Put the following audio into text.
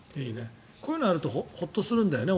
こういうのがあるとホッとするんだよね